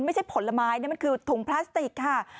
ผลไม้นี่มันคือถุงพลาสติกค่ะ